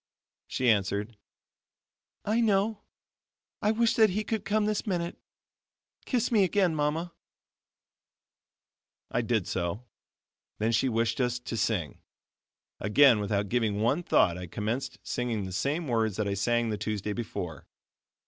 She answered: "I know it. I wish that He would come this minute. Kiss me again, Mama." I did so; then she wished us to sing. Again, without giving one thought, I commenced singing the same words that I sang the Tuesday before.